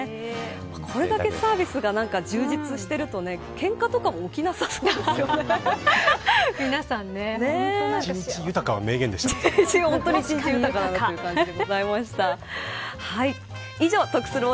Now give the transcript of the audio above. これだけサービスが充実していると、けんかとかも皆さん、本当お幸せそう。